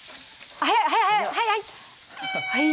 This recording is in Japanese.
速い速いはいはい。